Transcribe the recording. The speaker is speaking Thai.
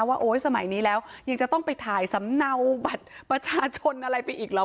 โอ๊ยสมัยนี้แล้วยังจะต้องไปถ่ายสำเนาบัตรประชาชนอะไรไปอีกเหรอ